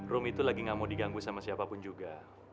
room itu lagi gak mau diganggu sama siapapun juga